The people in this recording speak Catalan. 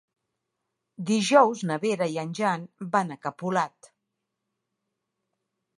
Dijous na Vera i en Jan van a Capolat.